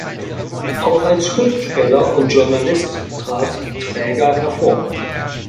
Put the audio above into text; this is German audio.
Auch als Schriftsteller und Journalist trat Traeger hervor.